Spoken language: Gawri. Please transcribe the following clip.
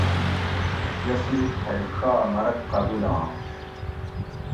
یہ صرف تھئ ڛا مرگ قبُولاںش